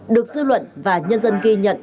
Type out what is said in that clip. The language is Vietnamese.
được dư luận và nhân dân ghi nhận